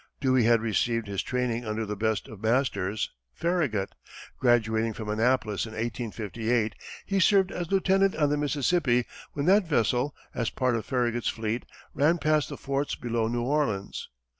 Dewey had received his training under the best of masters, Farragut. Graduating from Annapolis in 1858, he served as lieutenant on the Mississippi, when that vessel, as part of Farragut's fleet, ran past the forts below New Orleans.